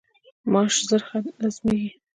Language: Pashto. ماش ژر هضمیږي.